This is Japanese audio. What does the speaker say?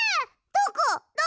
どこ！？